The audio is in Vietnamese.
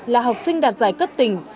là học sinh đạt giải cất tình